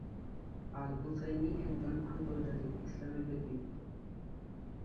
আল-হুসাইনী একজন আন্তর্জাতিক ইসলামী ব্যক্তিত্ব।